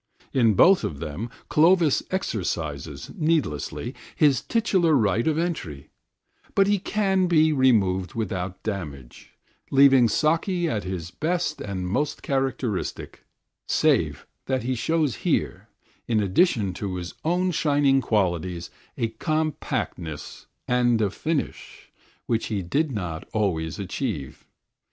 In both of them Clovis exercises, needlessly, his titular right of entry, but he can be removed without damage, leaving Saki at his best and most characteristic, save that he shows here, in addition to his own shining qualities, a compactness and a finish which he did not always achieve.